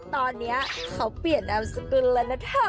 ตอนนี้เขาเปลี่ยนอัพสกิลแล้วนะเถอะ